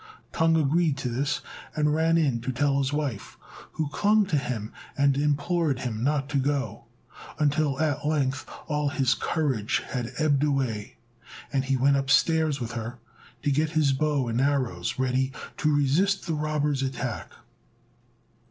Tung agreed to this, and ran in to tell his wife, who clung to him and implored him not to go, until at length all his courage had ebbed away, and he went upstairs with her to get his bow and arrows ready to resist the robbers' attack.